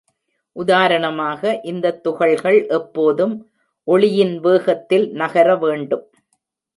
உதாரணமாக, இந்த துகள்கள் எப்போதும் ஒளியின் வேகத்தில் நகர வேண்டும்.